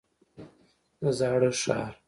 د زاړه ښار.